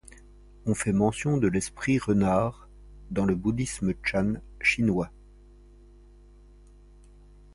On fait mention de l'esprit-renard dans le bouddhisme chan chinois.